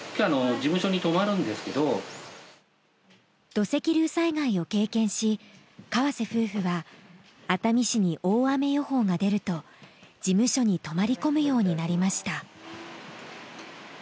土石流災害を経験し河瀬夫婦は熱海市に大雨予報が出ると事務所に泊まり込むようになりました。